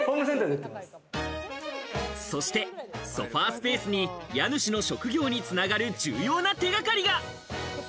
そして、ソファースペースに家主の職業に繋がる重要な手がかりが。